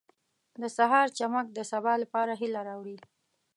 • د سهار چمک د سبا لپاره هیله راوړي.